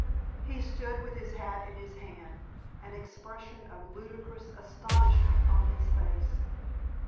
He stood with his hat in his hand, an expression of ludicrous astonishment on his face.